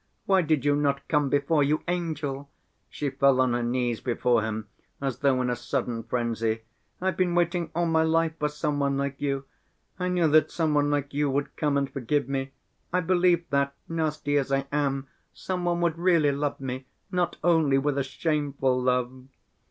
Why did you not come before, you angel?" She fell on her knees before him as though in a sudden frenzy. "I've been waiting all my life for some one like you, I knew that some one like you would come and forgive me. I believed that, nasty as I am, some one would really love me, not only with a shameful love!"